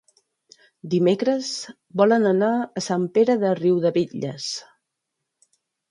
Dimecres volen anar a Sant Pere de Riudebitlles.